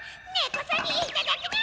こそぎいただくの！